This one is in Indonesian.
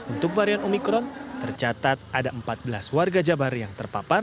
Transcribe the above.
untuk varian omikron tercatat ada empat belas warga jabar yang terpapar